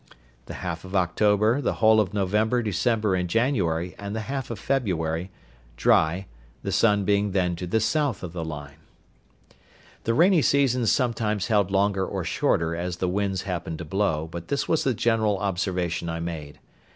The half of October, the whole of November, December, and January, and the half of February—dry, the sun being then to the south of the line. The rainy seasons sometimes held longer or shorter as the winds happened to blow, but this was the general observation I made.